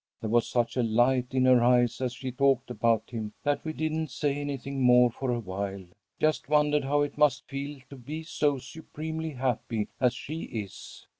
There was such a light in her eyes as she talked about him, that we didn't say anything more for awhile, just wondered how it must feel to be so supremely happy as she is.